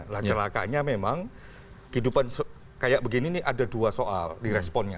nah celakanya memang kehidupan kayak begini ini ada dua soal diresponnya